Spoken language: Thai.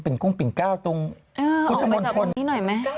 เป็นกรุงปิ่นเก้าตรงพุทธมนตร์ทน